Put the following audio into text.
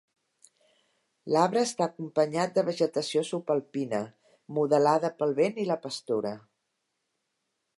L'arbre està acompanyat de vegetació subalpina, modelada pel vent i la pastura.